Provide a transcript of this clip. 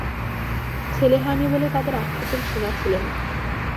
ছেলে হয়নি বলে তাদের আক্ষেপের সীমা ছিল না।